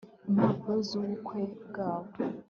impapuro zubukwe bwabo